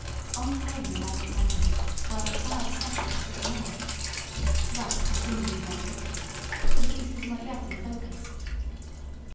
On came the maddened animal, while the crowd scattered still more. Russ continued to make pictures, for the beast was not yet in focus.